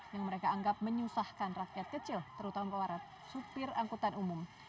yang mereka anggap menyusahkan rakyat kecil terutama para supir angkutan umum